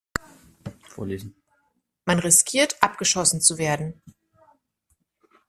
Man riskiert, abgeschossen zu werden.